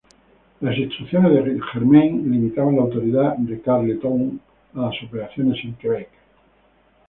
Las instrucciones de Germain limitaban la autoridad de Carleton a las operaciones en Quebec.